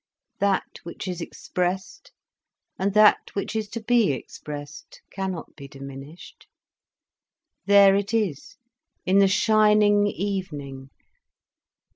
That which is expressed, and that which is to be expressed, cannot be diminished. There it is, in the shining evening.